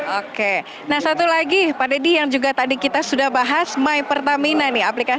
oke nah satu lagi pak deddy yang juga tadi kita sudah bahas my pertamina nih